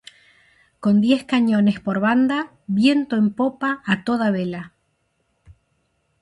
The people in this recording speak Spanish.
Con diez cañones por banda, viento en popa a toda vela.